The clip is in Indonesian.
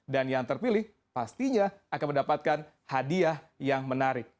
dan yang terpilih pastinya akan mendapatkan hadiah yang menarik